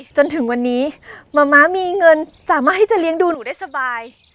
จนถึงวันนี้มะม้ามีเงินสามารถที่จะเลี้ยงดูหนูได้สบาย